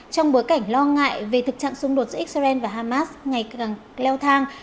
trong bối cảnh lo ngại về thực trạng xung đột giữa israel và hamas ngày càng leo thang